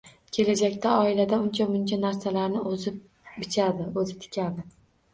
Kelajakda oilada uncha-muncha narsalarni o‘zi bichadi, o‘zi tikadi.